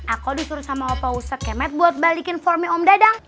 aku disuruh sama opo ustaz kemet buat balikin formnya om dadang